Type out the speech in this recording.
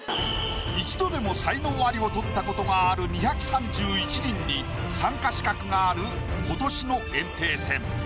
一度でも才能アリを取ったことがある２３１人に参加資格がある今年の炎帝戦。